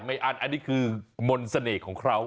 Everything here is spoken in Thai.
อันอันนี้คือมนต์เสน่ห์ของเขา